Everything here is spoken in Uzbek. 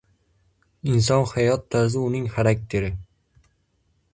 Insonning hayot tarzi uning xarakteri.